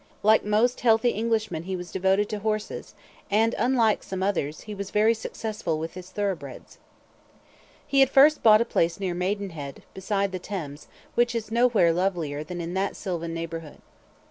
Like most healthy Englishmen he was devoted to horses, and, unlike some others, he was very successful with his thoroughbreds. He had first bought a place near Maidenhead, beside the Thames, which is nowhere lovelier than in that sylvan neighbourhood.